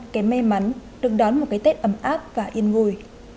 kém may mắn được đón một cái tết ấm áp và yên ngùi